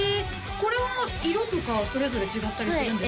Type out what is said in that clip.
これは色とかそれぞれ違ったりするんですか？